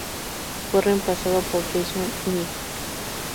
Fue reemplazado por Jason Knight.